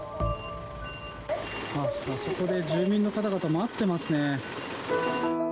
あそこで住民の方々、待ってますね。